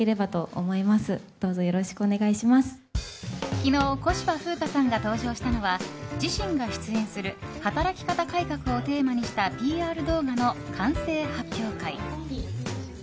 昨日、小芝風花さんが登場したのは自身が出演する働き方改革をテーマにしたＰＲ動画の完成発表会。